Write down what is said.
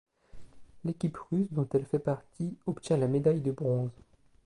L'équipe russe dont elle fait partie obtient la médaille de bronze.